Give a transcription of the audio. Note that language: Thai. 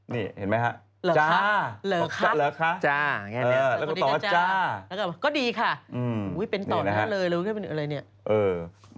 นี่เห็นไหมคะก็ดีค่ะจ๊าแล้วก็ตอบจ๊าฮืมฮืมมาแล้ว